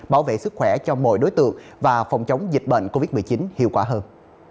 bảo vệ sức khỏe cho mọi đối tượng và phòng chống dịch bệnh covid một mươi chín hiệu quả hơn